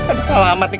aduh kalah amat nih